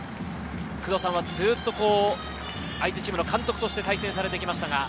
工藤さんはずっと相手チームの監督として対戦されてきました。